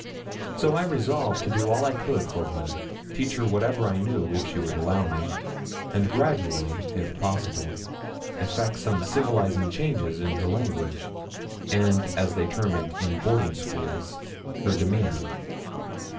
So I resolved to do all I could for her teach her whatever I knew, if she would allow me and gradually, if possible, effect some civilising changes in her language, and, as they term it in boarding schools, her demeanour.